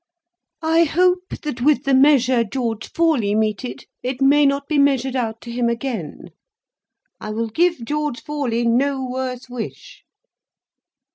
I hope that, with the measure George Forley meted, it may not be measured out to him again. I will give George Forley no worse wish."